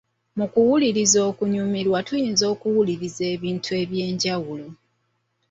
Mu kuwuliriza okunyumirwa tuyinza okuwuliriza ebintu eby’enjawulo.